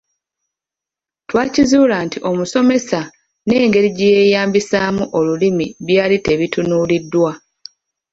Twakizuula nti omusomesa n’engeri gye yeeyambisaamu Olulimi byali tebitunuuliddwa.